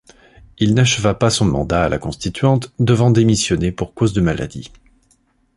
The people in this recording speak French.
Il n'acheva pas son mandat à la Constituante, devant démissionner pour cause de maladie.